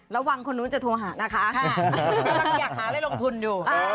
ระวังคนนู้นจะโทรหานะคะนักบรรยากหาว่าย่างลงทุนอยู่